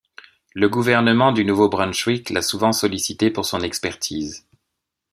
Le gouvernement du Nouveau-Brunswick l'a souvent sollicité pour son expertise.